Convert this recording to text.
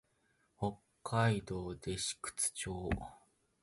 北海道弟子屈町